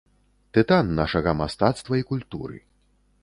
Тытан нашага мастацтва і культуры.